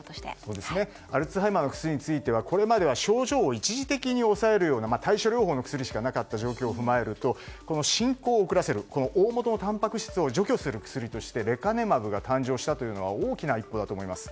アルツハイマーの薬についてはこれまでは症状を一時的に抑えるような対処療法の薬しかなかった状況を踏まえると進行を遅らせるおおもとのたんぱく質を除去する薬としてレカネマブが誕生したというのが大きな一歩だと思います。